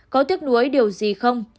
có tiếc nuối điều gì không